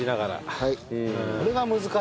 はい。